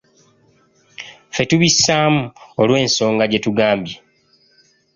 Ffe tubissaamu, olw'ensonga gye tugambye.